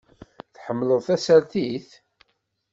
Tḥemmleḍ tasertit?